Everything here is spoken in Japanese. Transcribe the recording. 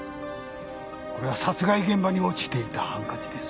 これは殺害現場に落ちていたハンカチですよ。